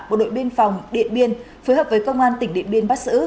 bộ đội biên phòng điện biên phối hợp với công an tỉnh điện biên bắt xử